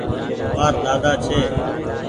مآر ۮاۮا ڇي۔